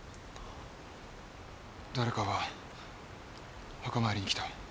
誰かが墓参りに来た。